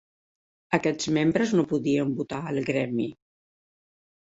Aquests membres no podien votar al gremi.